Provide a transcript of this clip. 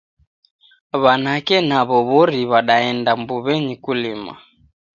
W'anake naw'o w'ori w'adaenda mbuw'enyi kulima.